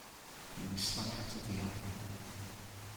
He was slung out of the army.